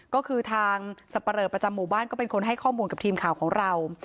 ก็คือทางสับปะเลอประจำหมู่บ้านก็เป็นคนให้ข้อมูลกับทีมข่าวของเรา